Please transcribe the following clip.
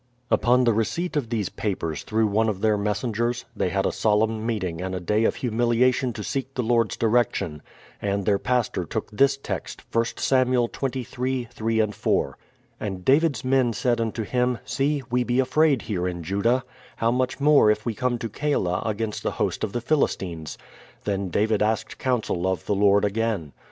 Upon the receipt of these papers through one of their messengers, they had a solemn meeting and a day of humil iation to seek the Lord's direction; and their pastor took this text, I Sam. xxiii., 3, 4: "And David's men said unto him, see, we be afraid here in Judah; how much more if we come to Keilah against the host of the PhiUstines? Then David asked counsel of the Lord again."